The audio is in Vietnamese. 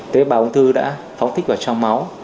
tế bào ung thư đã phóng tích vào trong máu